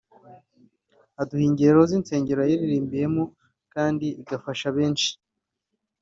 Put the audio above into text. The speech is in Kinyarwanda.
aduha ingero z’insengero yayiririmbyemo kandi igafashe benshi